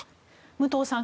武藤さん